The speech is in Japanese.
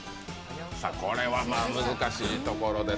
これは難しいところです。